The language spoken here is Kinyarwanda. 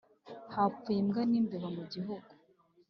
hapfuye imbwa n'imbeba mu gihuku